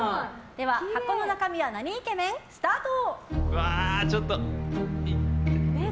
箱の中身はなにイケメン？スタート！